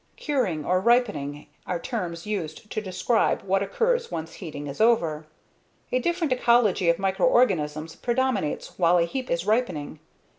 "Curing" or "ripening" are terms used to describe what occurs once heating is over. A different ecology of microorganisms predominates while a heap is ripening.